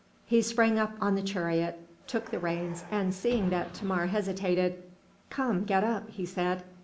He sprang up on the chariot, took the reins, and seeing that Thamar hesitated, "Come, get up," he said.